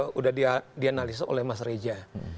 sudah dianalisa oleh mas reja